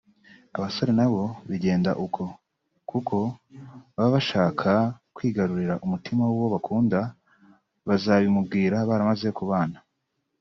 Abasore na bo bigenda uko kuko baba bashaka kwigarurira umutima w’uwo bakunda bazabimubwira baramaze kubana